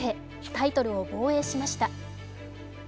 タイトルを防衛しました。